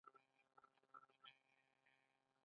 پریړونه او هوسۍ هلته شته.